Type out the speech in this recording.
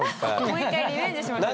もう一回リベンジしましょう。